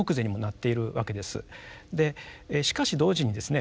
でしかし同時にですね